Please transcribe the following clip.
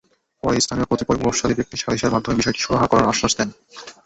পরে স্থানীয় কতিপয় প্রভাবশালী ব্যক্তি সালিসের মাধ্যমে বিষয়টি সুরাহা করার আশ্বাস দেন।